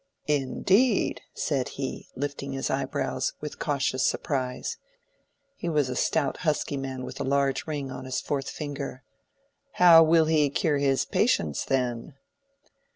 "Indeed!" said he, lifting his eyebrows with cautious surprise. (He was a stout husky man with a large ring on his fourth finger.) "How will he cure his patients, then?"